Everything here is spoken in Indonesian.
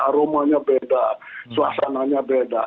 aromanya beda suasananya beda